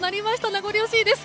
名残惜しいです。